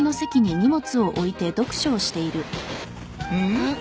ん？